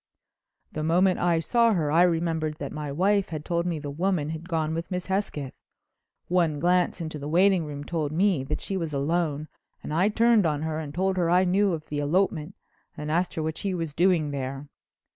"The moment I saw her I remembered that my wife had told me the woman had gone with Miss Hesketh. One glance into the waiting room told me she was alone and I turned on her and told her I knew of the elopement and asked her what she was doing there.